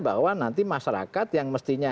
bahwa nanti masyarakat yang mestinya